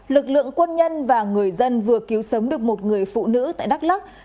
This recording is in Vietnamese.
lực lượng quân nhân và người dân vừa cứu sống được một người phụ nữ tại đắk lắc